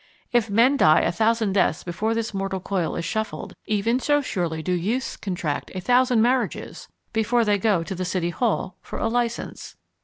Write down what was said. If men die a thousand deaths before this mortal coil is shuffled, even so surely do youths contract a thousand marriages before they go to the City Hall for a license.